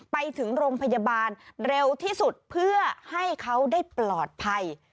ไปถึงโรงพยาบาลเร็วที่สุดเพื่อให้เขาได้ปลอดภัย